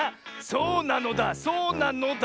そうなのだそうなのだ！